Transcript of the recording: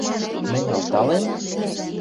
– Мӹнь алталем?!